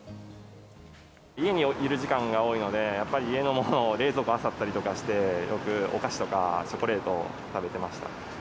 家にいる時間が多いので、やっぱり家のものを、冷蔵庫あさったりとかして、よくお菓子とか、チョコレートを食べてました。